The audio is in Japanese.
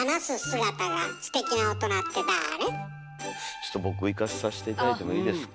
ちょっと僕いかさせて頂いてもいいですか？